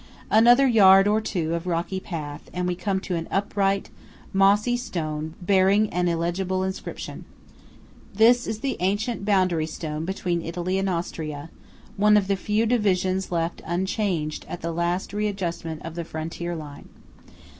Another yard or two of rocky path, and we come to an upright, mossy stone bearing an illegible inscription. This is the ancient boundary stone between Italy and Austria–one of the few divisions left unchanged at the last readjustment of the frontier line.